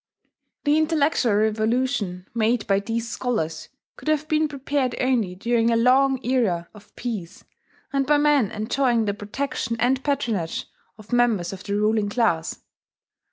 The intellectual revolution made by these scholars could have been prepared only during a long era of peace, and by men enjoying the protection and patronage of members of the ruling class.